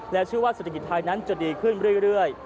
เชื่อว่าเศรษฐกิจไทยนั้นจะดีขึ้นเรื่อย